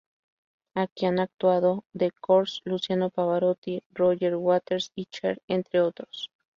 Aquí han actuado The Corrs, Luciano Pavarotti, Roger Waters y Cher, entre otros.